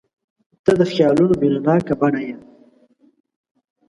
• ته د خیالونو مینهناکه بڼه یې.